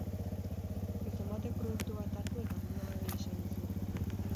Gizon batek produktu bat hartu eta ordaindu gabe ihes egin zuen.